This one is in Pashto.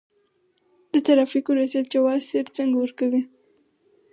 د ترافیکو ریاست جواز سیر څنګه ورکوي؟